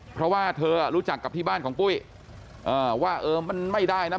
เพราะว่าเธอรู้จักกับที่บ้านของปุ้ยว่าเออมันไม่ได้นะ